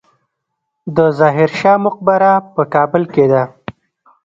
د ظاهر شاه مقبره په کابل کې ده